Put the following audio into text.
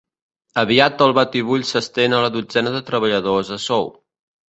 Aviat el batibull s'estén a la dotzena de treballadors a sou.